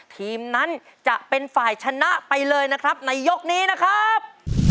ทีมนั้นจะเป็นฝ่ายชนะไปเลยนะครับในยกนี้นะครับ